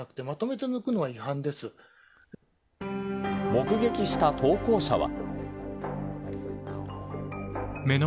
目撃した投稿者は。